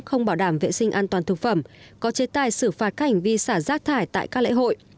không bảo đảm vệ sinh an toàn thực phẩm có chế tài xử phạt các hành vi xả rác thải tại các lễ hội